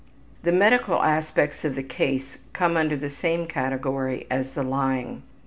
The medical aspects of the case come under the same category as the lying.